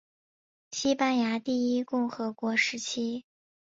西班牙第一共和国时期。